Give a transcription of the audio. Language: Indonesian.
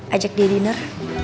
ajak dia dinner